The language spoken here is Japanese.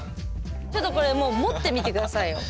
ちょっとこれもう持ってみて下さいよ。